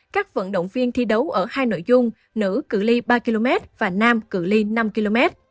các vận động viên thi đấu ở hai nội dung nữ cử ly ba km và nam cử ly năm km